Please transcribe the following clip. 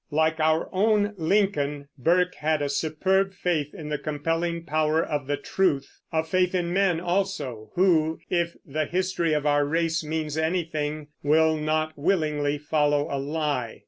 Like our own Lincoln, Burke had a superb faith in the compelling power of the truth, a faith in men also, who, if the history of our race means anything, will not willingly follow a lie.